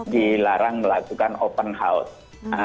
dilarang melakukan open house